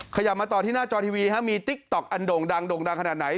ขยับมาต่อที่หน้าจอทีวีมีติ๊กต๊อกอันโด่งดังโด่งดังขนาดไหน